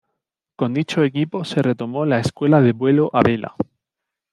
Con dicho equipo se retomó la escuela de vuelo a vela.